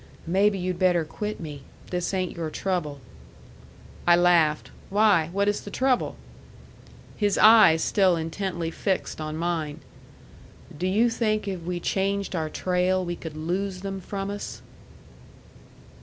"Maybe you'd better quit me. This ain't your trouble." I laughed. "Why, what is the trouble?" His eyes still intently fixed on mine. "Do you think if we changed our trail we could lose them from us?"